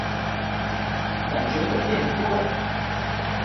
感覺有變多了